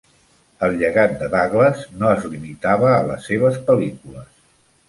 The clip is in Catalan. El llegat de Douglas no es limitava a les seves pel·lícules.